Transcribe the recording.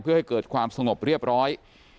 เพื่อให้เกิดความสงบเรียบร้อย